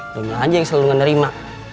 lumayan aja yang selalu ngenerima